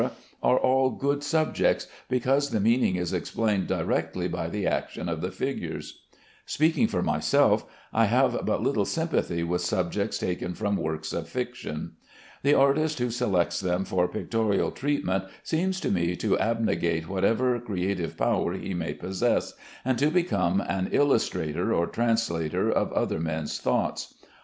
are all good subjects, because the meaning is explained directly by the action of the figures. Speaking for myself, I have but little sympathy with subjects taken from works of fiction. The artist who selects them for pictorial treatment seems to me to abnegate whatever creative power he may possess, and to become an illustrator or translator of other men's thoughts.